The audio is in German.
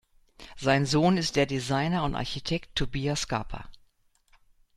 Sein Sohn ist der Designer und Architekt Tobia Scarpa.